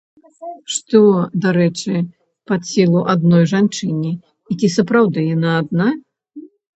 Што, дарэчы, пад сілу адной жанчыне і ці сапраўды яна адна?